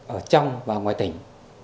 ở trong và ngoài tỉnh